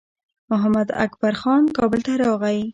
محمداکبر خان کابل ته راغی.